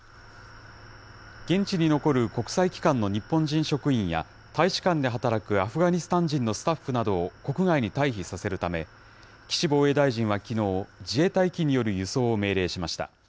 現地に残る国際機関の日本人職員や、大使館で働くアフガニスタン人のスタッフなどを国外に退避させるため、岸防衛大臣はきのう、自衛隊機による輸送を命令しました。